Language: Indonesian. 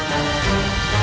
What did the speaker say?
jangan kaburkan diri kita